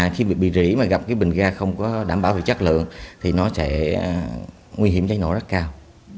khi bị rỉ mà gặp bình ga không đảm bảo chất lượng thì nó sẽ nguy hiểm cháy nổ rất cao